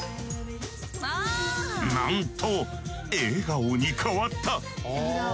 なんと笑顔に変わった！